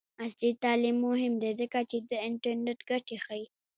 عصري تعلیم مهم دی ځکه چې د انټرنټ ګټې ښيي.